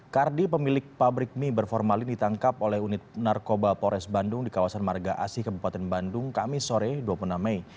kardi pemilik pabrik mie berformalin ditangkap oleh unit narkoba pores bandung di kawasan marga asih kabupaten bandung kamis sore dua puluh enam mei